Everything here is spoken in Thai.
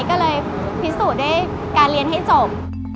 ก็เลยพิสูจน์ด้วยการเรียนให้จบ